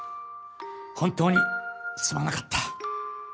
本当にすまなかった。